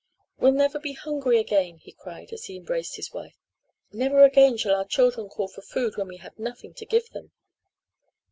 "We'll never be hungry again!" he cried as he embraced his wife. "Never again shall our children call for food when we have nothing to give them!"